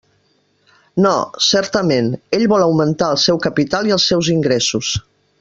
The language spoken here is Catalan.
No, certament, ell vol augmentar el seu capital i els seus ingressos.